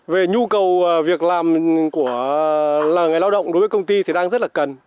về nhu cầu việc làm của người lao động đối với công ty thì đang rất là cần